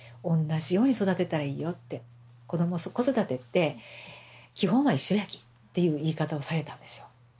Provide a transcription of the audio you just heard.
子ども子育てって基本は一緒やきっていう言い方をされたんですよ。